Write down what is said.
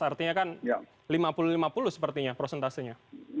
artinya kan lima puluh lima puluh sepertinya prosentasenya